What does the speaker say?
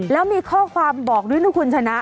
แล้วมีข้อความบอกด้วยนะคุณชนะ